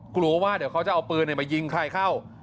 กลัวว่าเดี๋ยวเขาจะเอาปืนมายิงใครเข้า